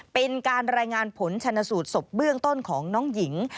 เป็นการรายงานผลชนสูตรศพเบื้องต้นของน้องหญิง